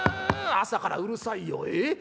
「朝からうるさいよえっ。